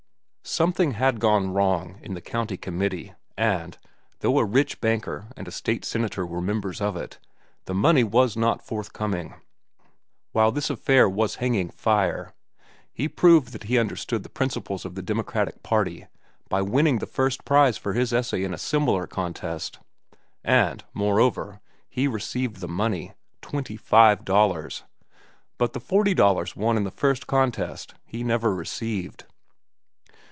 Something had gone wrong in the County Committee, and, though a rich banker and a state senator were members of it, the money was not forthcoming. While this affair was hanging fire, he proved that he understood the principles of the Democratic Party by winning the first prize for his essay in a similar contest. And, moreover, he received the money, twenty five dollars. But the forty dollars won in the first contest he never received.